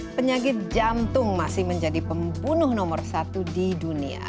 penyakit jantung masih menjadi pembunuh nomor satu di dunia